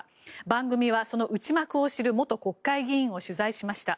番組はその内幕を知る元国会議員を取材しました。